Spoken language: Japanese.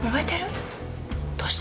どうして？